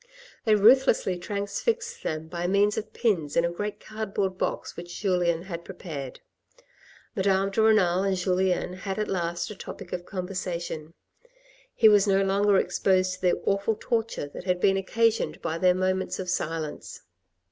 They ruthlessly transfixed them by means of pins in a great cardboard box which Julien had prepared. Madame de Renal and Julien had at last a topic of conversation ; he was no longer exposed to the awful torture that had been occasioned by their moments of silence.